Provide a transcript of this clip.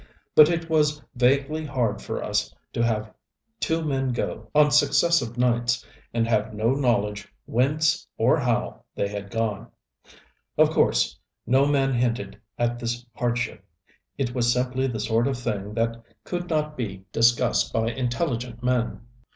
But it was vaguely hard for us to have two men go, on successive nights, and have no knowledge whence or how they had gone. Of course no man hinted at this hardship. It was simply the sort of thing that could not be discussed by intelligent men.